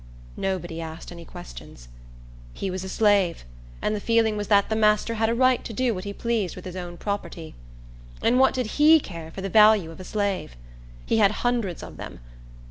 Nobody asked any questions. He was a slave; and the feeling was that the master had a right to do what he pleased with his own property. And what did he care for the value of a slave? He had hundreds of them.